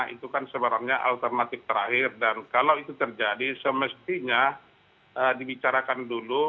itu kan sebenarnya alternatif terakhir dan kalau itu terjadi semestinya dibicarakan dulu